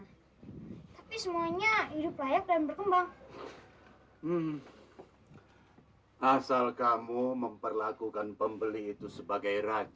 hai tapi semuanya hidup layak dan berkembang asal kamu memperlakukan pembeli itu sebagai raja